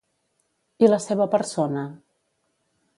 I la seva persona?